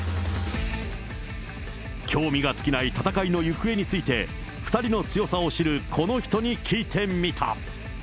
興味が尽きない戦いの行方について、２人の強さを知るこの人に聞いてみた。